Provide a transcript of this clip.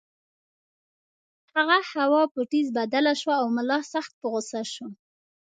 هغه هوا په ټیز بدله شوه او ملا سخت په غُصه شو.